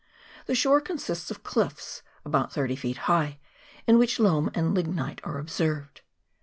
The shore consists of cliffs about thirty feet high, in which loam and lignite are observed.